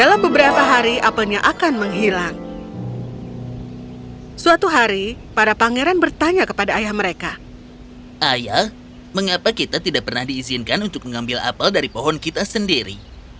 ayah mengapa kita tidak pernah diizinkan untuk mengambil apel dari pohon kita sendiri